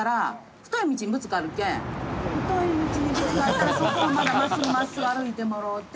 太い道にぶつかったらそこをまだ真っすぐ真っすぐ歩いてもろうて。